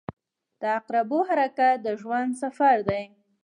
• د عقربو حرکت د ژوند سفر دی.